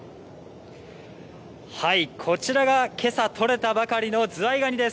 こちらが、けさ取れたばかりのズワイガニです。